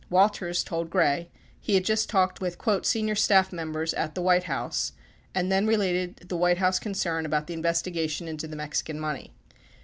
Walters told Gray he had just talked with "senior staff members" at the White House and then related the White House concern about the investigation into the Mexican money.